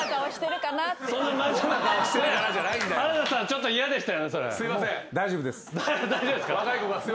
ちょっと嫌でしたよね？